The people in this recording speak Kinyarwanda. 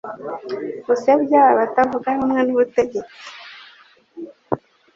gusebya abatavuga rumwe n’ubutegetsi